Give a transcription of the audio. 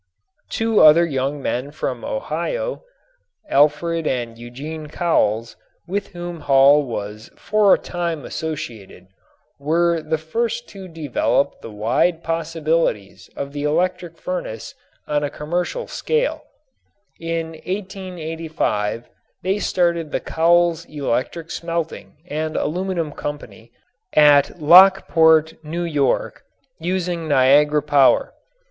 Two other young men from Ohio, Alfred and Eugene Cowles, with whom Hall was for a time associated, wore the first to develop the wide possibilities of the electric furnace on a commercial scale. In 1885 they started the Cowles Electric Smelting and Aluminum Company at Lockport, New York, using Niagara power.